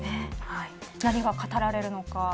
何が語られるのか。